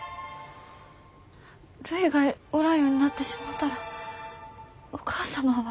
るいがおらんようになってしもうたらお義母様は。